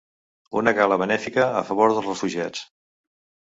Una gala benèfica a favor dels refugiats.